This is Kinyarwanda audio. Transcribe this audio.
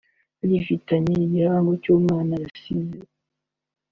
bagifitanye igihango cy’umwana yasize